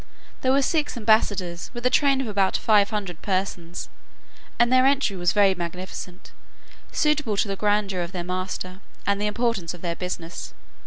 There were six ambassadors, with a train of about five hundred persons, and their entry was very magnificent, suitable to the grandeur of their master, and the importance of their business.